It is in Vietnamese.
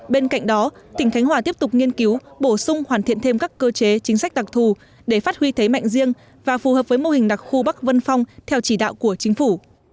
bên cạnh đó tỉnh khánh hòa tiếp tục nghiên cứu bổ sung hoàn thiện thêm các cơ chế chính sách đặc thù để phát huy thế mạnh riêng và phù hợp với mô hình đặc khu bắc vân phong theo chỉ đạo của chính phủ